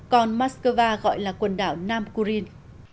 còn moscow gọi là quần đảo nam kurin